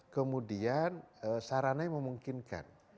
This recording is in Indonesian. kemudian sarananya memungkinkan